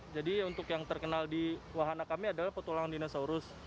jadi untuk yang terkenal di wahana kami adalah petualang dinosaurus